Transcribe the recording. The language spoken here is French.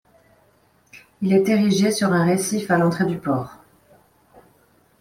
Il est érigé sur un récif à l'entrée du port.